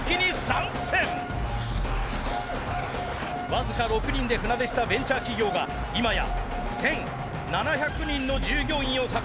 僅か６人で船出したベンチャー企業が今や１，７００人の従業員を抱えるＳライズです。